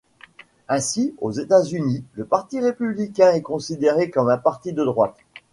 Ainsi, aux États-Unis, le Parti républicain est considéré comme un parti de droite.